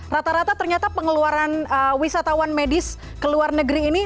rata rata ternyata pengeluaran wisatawan medis ke luar negeri ini